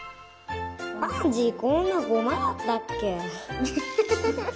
パンジーこんなごまだったっけ。